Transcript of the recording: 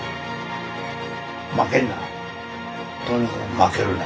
負けるな。